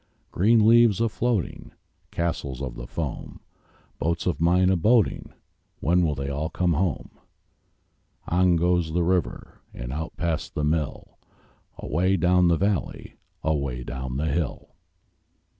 Green leaves a floating, Castles of the foam, Boats of mine a boating— Where will all come home? On goes the river And out past the mill, Away down the valley, Away down the hill.